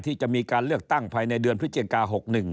ที่จะมีการเลือกตั้งภายในเดือนพฤศจิกา๖๑